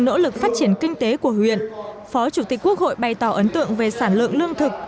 nỗ lực phát triển kinh tế của huyện phó chủ tịch quốc hội bày tỏ ấn tượng về sản lượng lương thực